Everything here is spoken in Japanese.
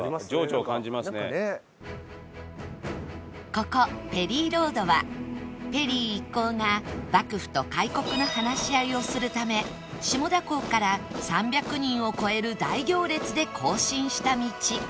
ここペリーロードはペリー一行が幕府と開国の話し合いをするため下田港から３００人を超える大行列で行進した道